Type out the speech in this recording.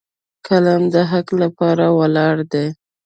قلم د حق لپاره ولاړ دی